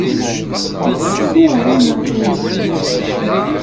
Ittcetki ɣer Umeɣlal.